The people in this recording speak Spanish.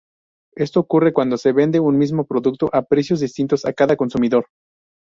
Esto ocurre cuando se vende un mismo producto a precios distintos a cada consumidor.